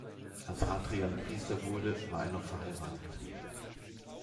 Als Hadrian Priester wurde, war er noch verheiratet.